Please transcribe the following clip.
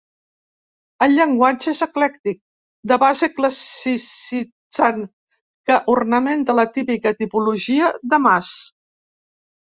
El llenguatge és eclèctic, de base classicitzant, que ornamenta la típica tipologia de mas.